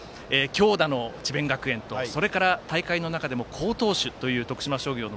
強打の智弁学園とそれから、大会の中でも好投手という森煌誠。